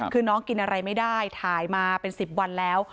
คือน้องกินอะไรไม่ได้ถ่ายมาเป็น๑๐วันแล้ว